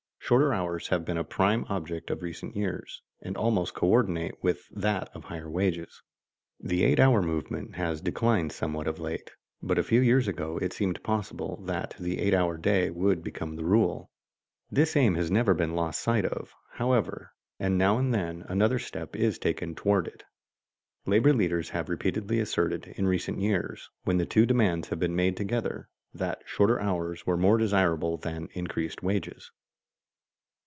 Shorter hours have been a prime object of recent years, and almost coördinate with that of higher wages. The eight hour movement has declined somewhat of late, but a few years ago it seemed possible that the eight hour day would become the rule. This aim has never been lost sight of, however, and now and then another step is taken toward it. Labor leaders have repeatedly asserted in recent years, when the two demands have been made together, that shorter hours were more desirable than increased wages.